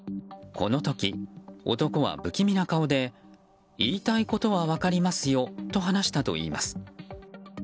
この時、男は不気味な顔で言いたいことは分かりますよと話したといいます。